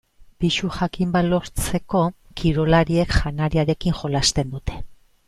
Pisu jakin bat lortzeko kirolariek janariarekin jolasten dute.